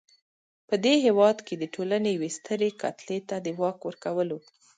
په دې هېواد کې د ټولنې یوې سترې کتلې ته د واک ورکولو.